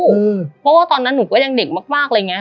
เพราะว่าตอนนั้นหนูก็ยังเด็กมากอะไรอย่างนี้